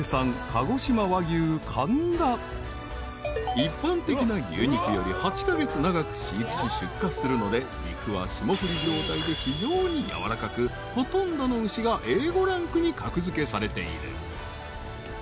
［一般的な牛肉より８カ月長く飼育し出荷するので肉は霜降り状態で非常にやわらかくほとんどの牛がＡ５ランクに格付けされている］